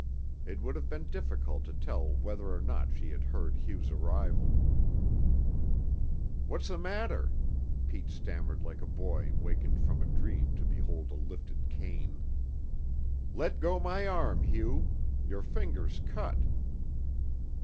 It would have been difficult to tell whether or not she had heard Hugh's arrival. "What's the matter?" Pete stammered like a boy wakened from a dream to behold a lifted cane. "Let go my arm, Hugh. Your fingers cut."